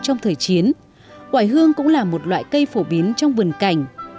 trong thời chiến quả hương cũng là một loại cây phổ biến trong vườn cảnh